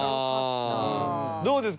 どうですか？